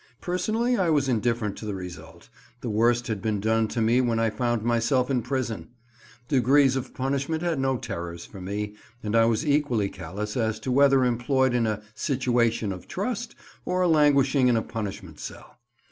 Personally I was indifferent to the result; the worst had been done to me when I found myself in prison. Degrees of punishment had no terrors for me, and I was equally callous as to whether employed in a "situation of trust" or languishing in a punishment cell.